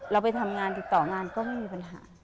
เราไปทำงานติดต่องานก็ไม่มีปัญหา